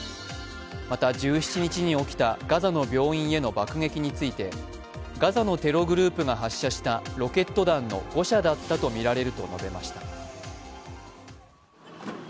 また、１７日に起きたガザの病院への爆撃についてガザのテログループが発射したロケット弾の誤射だったとみられると述べました。